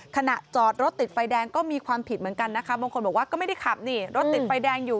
ขณะจอดรถติดไฟแดงก็มีความผิดเหมือนกันนะคะบางคนบอกว่าก็ไม่ได้ขับนี่รถติดไฟแดงอยู่